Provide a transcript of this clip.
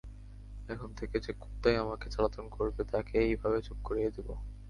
এখন থেকে যে কুত্তাই আমাকে জালাতন করবে, তাকে এই ভাবে চুপ করিয়ে দিব।